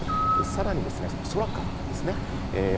更に空からですね。